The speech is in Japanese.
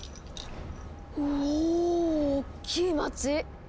うおおっきい街！